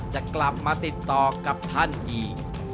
จะกลับมาติดต่อกับท่านอีก